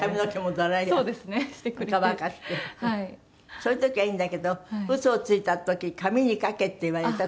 そういう時はいいんだけどウソをついた時紙に書けって言われた事が。